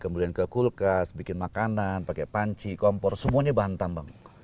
kemudian ke kulkas bikin makanan pakai panci kompor semuanya bahan tambang